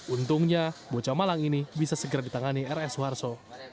untungnya bocah malang ini bisa segera ditangani rs suharto